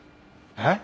えっ？